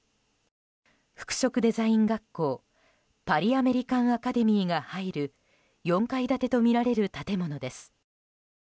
服飾デザイン学校パリ・アメリカン・アカデミーが入る４階建てとみられる建物です。